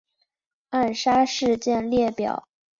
暗杀事件列表